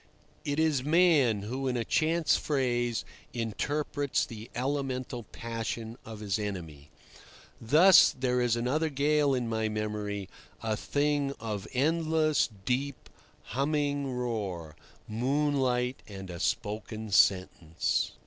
It is man who, in a chance phrase, interprets the elemental passion of his enemy. Thus there is another gale in my memory, a thing of endless, deep, humming roar, moonlight, and a spoken sentence.